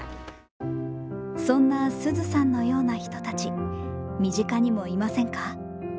そんなすずさんのような人たち身近にもいませんか？